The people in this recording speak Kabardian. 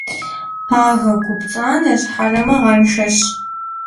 Пагуэ гу пцӏанэщ, хьэрэмыгъэншэщ.